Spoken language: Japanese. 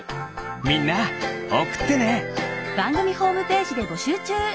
みんなおくってね！